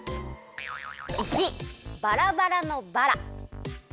①バラバラのバラ。